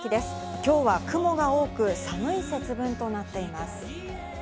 今日は雲が多く、寒い節分となっています。